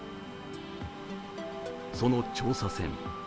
その調査船。